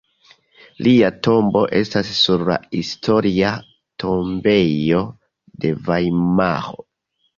Lia tombo estas sur la Historia tombejo de Vajmaro.